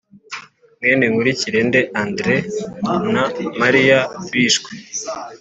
mwene Nkurikirende Andre na mariya bishwe